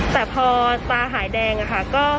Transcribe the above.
แต่พอตาหายแดงอะค่ะ